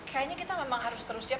kayaknya kita memang harus terus siap